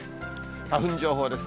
花粉情報です。